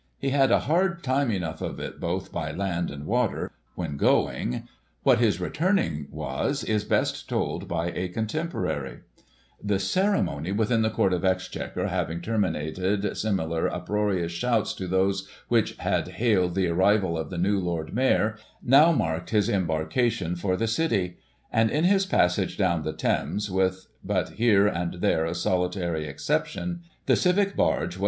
He had a hard enough time of it both by land and water, when going, what his returning was, is best told by a contemporary :" The ceremony within the Court of Exchequer having ter minated, similar uproarious shouts to those which had hailed the arrival of the new Lord Mayor, now marked his embarca tion for the city ; and, in his passage down the Thames, with but here and there a solitary exception, the civic barge was Digiti ized by Google 254 GOSSIP.